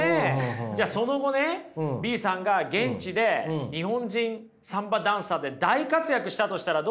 じゃあその後ねＢさんが現地で日本人サンバダンサーで大活躍したとしたらどうですか？